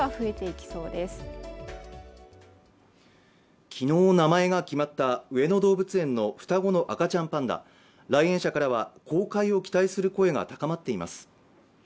きのう名前が決まった上野動物園の双子の赤ちゃんパンダ来園者からは公開を期待する声が高まっています